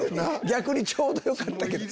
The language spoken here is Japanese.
逆にちょうどよかったけど。